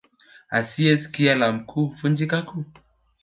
Asiyekia la Mkuu Huvunyika Guu